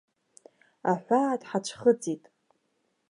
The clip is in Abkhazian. Аҳәаа дҳацәхыҵит.